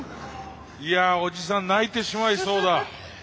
いやおじさん泣いてしまいそうだ。